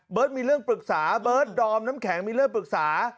มีเรื่องปรึกษาเบิร์ตดอมน้ำแข็งมีเรื่องปรึกษา